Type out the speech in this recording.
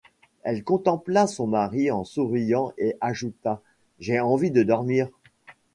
Elle contempla son mari en souriant et ajouta :— J’ai envie de dormir.